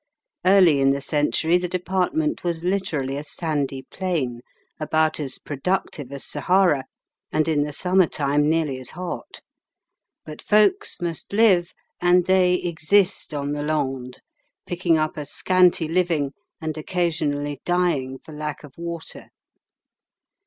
Early in the century the department was literally a sandy plain, about as productive as Sahara, and in the summer time nearly as hot. But folks must live, and they exist on the Landes, picking up a scanty living, and occasionally dying for lack of water.